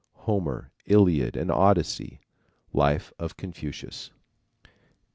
Homer, Iliad and Odyssey; Life of Confucius.